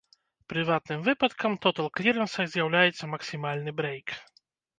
Прыватным выпадкам тотал-клірэнса з'яўляецца максімальны брэйк.